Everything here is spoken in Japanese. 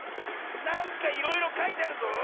なんかいろいろかいてあるぞ。